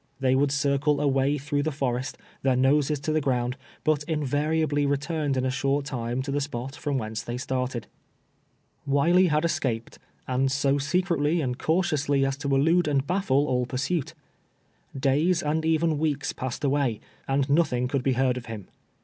They would circle away through the forest, their noses to the ground, but invariably returned in a short time to the spot from whence they started. "wilf.y's cAPrrKic on red rivek. 239 "Wiley liad c>c;ipe(l, and so secretly and caiitiouslj as to elude and haffle all pursuit. Days and even weeks passed away, and nothing could be lieard of liim.